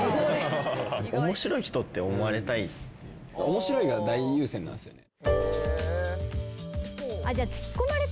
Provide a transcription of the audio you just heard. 「面白い」が大優先なんすよね。